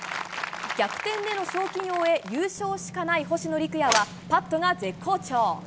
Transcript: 逆転での賞金王へ優勝しかない星野陸也はパットが絶好調。